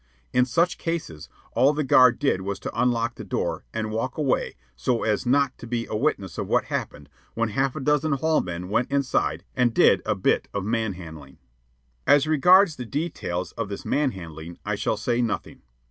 In such cases all the guard did was to unlock the door and walk away so as not to be a witness of what happened when half a dozen hall men went inside and did a bit of man handling. As regards the details of this man handling I shall say nothing.